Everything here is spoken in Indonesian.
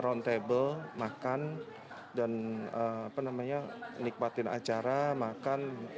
roundtable makan dan penemanya nikmatin acara makan